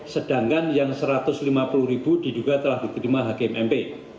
sedangkan yang sgd rp satu ratus lima puluh ribu diduga telah diperima hakim mp